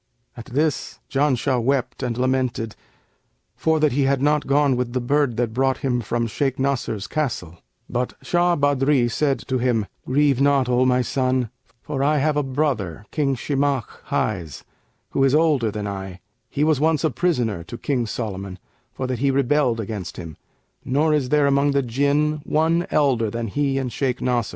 At this Janshah wept and lamented for that he had not gone with the bird that brought him from Shaykh Nasr's castle; but Shah Badri said to him, 'Grieve not, O my son, for I have a brother, King Shimαkh highs, who is older than I; he was once a prisoner to King Solomon, for that he rebelled against him; nor is there among the Jinn one elder than he and Shaykh Nasr.